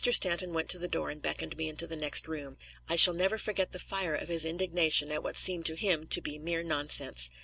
Stanton went to the door and beckoned me into the next room. I shall never forget the fire of his indignation at what seemed to him to be mere nonsense.